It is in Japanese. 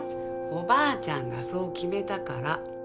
おばあちゃんがそう決めたから。